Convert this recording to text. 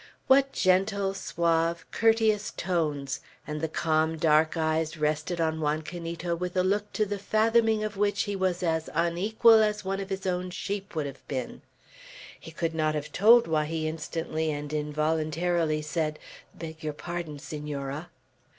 What gentle, suave, courteous tones! and the calm dark eyes rested on Juan Canito with a look to the fathoming of which he was as unequal as one of his own sheep would have been. He could not have told why he instantly and involuntarily said, "Beg your pardon, Senora."